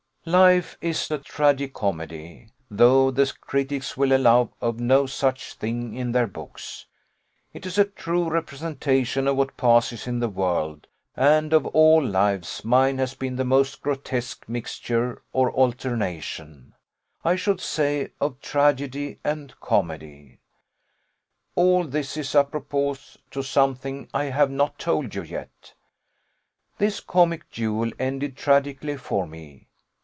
"Life is a tragicomedy! Though the critics will allow of no such thing in their books, it is a true representation of what passes in the world; and of all lives mine has been the most grotesque mixture, or alternation, I should say, of tragedy and comedy. All this is apropos to something I have not told you yet. This comic duel ended tragically for me.